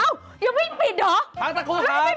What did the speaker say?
เอายังไม่ปิดหรือยังไม่มีปิดพักสักครู่กันครับ